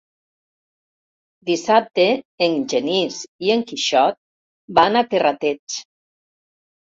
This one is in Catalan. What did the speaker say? Dissabte en Genís i en Quixot van a Terrateig.